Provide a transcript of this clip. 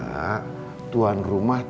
tuan rumah tidak boleh datang ke rumah rumah